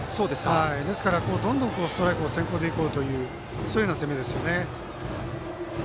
ですからどんどんストライクを先行でいこうというそういう攻めですよね。